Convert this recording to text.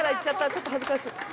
ちょっと恥ずかしい。